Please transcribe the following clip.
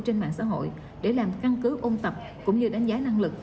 trên mạng xã hội để làm căn cứ ôn tập cũng như đánh giá năng lực